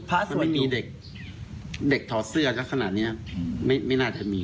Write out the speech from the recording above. มันไม่มีเด็กทอเสื้อแล้วขนาดนี้ไม่น่าจะมี